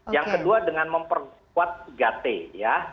yang kedua dengan memperkuat tiga t ya